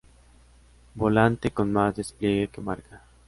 Volante con más despliegue que marca.